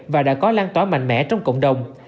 và đã có lan tỏa mạnh mẽ trong cộng đồng